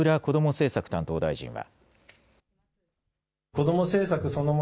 政策担当大臣は。